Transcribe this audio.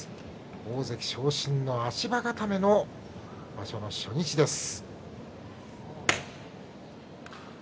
大関昇進の足場固めの場所の初日です。